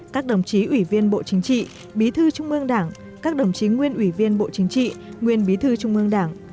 các đồng chí ủy viên bộ chính trị bí thư trung ương đảng các đồng chí nguyên ủy viên bộ chính trị nguyên bí thư trung ương đảng